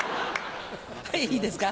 はいいいですか？